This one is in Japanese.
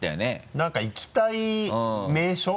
何か行きたい名所？